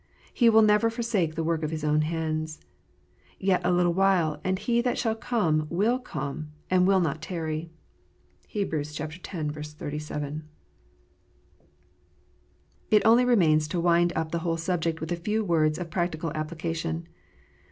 He will never forsake the work of His own hands. " Yet a little while, and He that shall come will come, and will not tarry." (Heb. x. 37.) It only remains to wind up the whole subject with a few words of practical application.